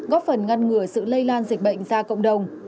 góp phần ngăn ngừa sự lây lan dịch bệnh ra cộng đồng